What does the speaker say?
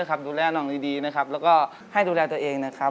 อย่างนี้เด็กมันเต้นไม่ได้หรอกครับ